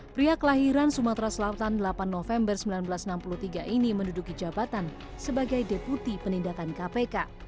pria kelahiran sumatera selatan delapan november seribu sembilan ratus enam puluh tiga ini menduduki jabatan sebagai deputi penindakan kpk